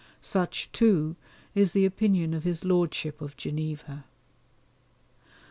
Such, too, is the opinion of his Lordship of Geneva.